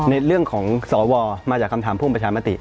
ในเรื่องของสวมาจากคำถามพ่วงประชามติ